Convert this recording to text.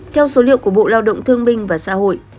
theo số liệu của bộ lao động thương binh và xã hội